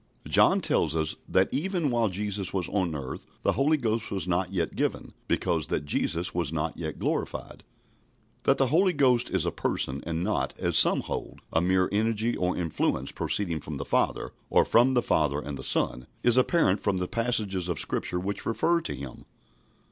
John tells us that even while Jesus was on earth the Holy Ghost was not yet given, because that Jesus was not yet glorified. That the Holy Ghost is a Person, and not, as some hold, a mere energy or influence proceeding from the Father, or from the Father and the Son, is apparent from the passages of Scripture which refer to Him.